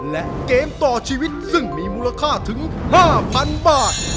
และเกมต่อชีวิตซึ่งมีมูลค่าถึง๕๐๐๐บาท